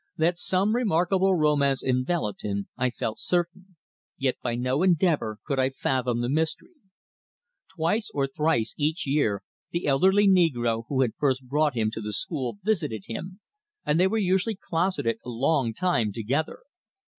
That some remarkable romance enveloped him I felt certain, yet by no endeavour could I fathom the mystery. Twice or thrice each year the elderly negro who had first brought him to the school visited him, and they were usually closeted a long time together.